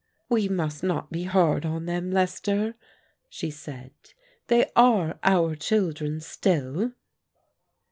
"We must not be hard on them, Lester," she said. •* They are our children still."